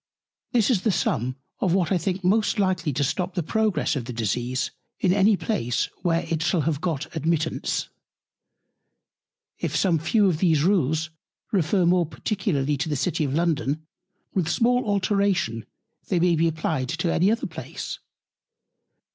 This is the Sum of what I think most likely to stop the Progress of the Disease in any Place, where it shall have got Admittance. If some few of these Rules refer more particularly to the City of London, with small Alteration they may be applied to any other Place.